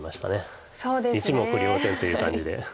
一目瞭然という感じで。